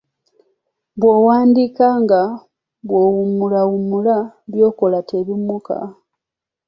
Bw'owandiika nga bw'owummulawummula, by'okola tebimukka.